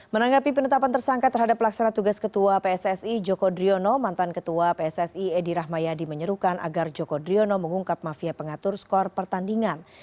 menanggapi penetapan tersangka terhadap pelaksana tugas ketua pssi joko driono mantan ketua pssi edi rahmayadi menyerukan agar joko driono mengungkap mafia pengatur skor pertandingan